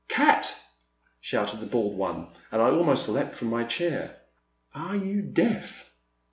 '' Cat !*' shouted the bald one, and I almost leaped from my chair. *' Are you deaf?